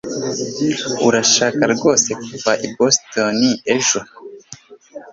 Urashaka rwose kuva i Boston ejo